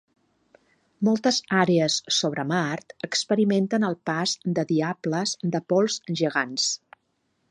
Moltes àrees sobre Mart experimenten el pas de diables de pols gegants.